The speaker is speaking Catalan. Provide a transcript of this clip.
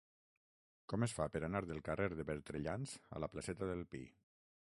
Com es fa per anar del carrer de Bertrellans a la placeta del Pi?